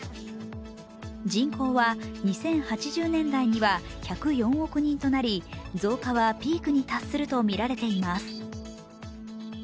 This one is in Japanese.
人口は、２０８０年代には１０４億人となり、増加はピークに達するとみられています。